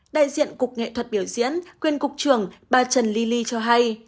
đại diện cục nghệ thuật biểu diễn quyền cục trưởng bà trần ly ly cho hay